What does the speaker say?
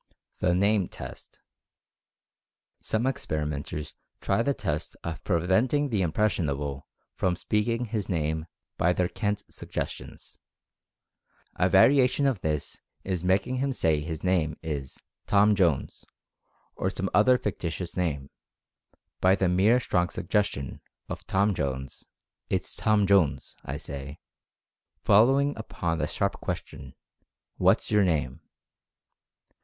THE "NAME" TEST. Some experimenters try the test of preventing the "impressionable" from speaking his name by their "CAN'T" suggestions. A variation of this is making him say his name is "Tom Jones," or some other fic titious name, by the mere strong suggestion of "Tom Jones, it's Tom Jones, I say," following upon the sharp question, "What's your name?"